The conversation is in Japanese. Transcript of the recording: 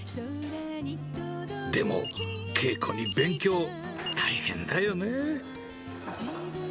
でも稽古に勉強、大変だよね。